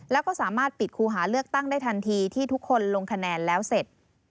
แล้วก็สามารถปิดครูหาเลือกตั้งได้ทันทีที่ทุกคนลงคะแนนแล้วเสร็จ